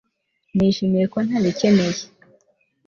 nishimiye ko ntabikeneye